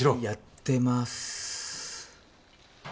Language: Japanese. やってます。